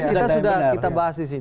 kita sudah kita bahas disini